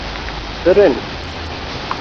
Ffren.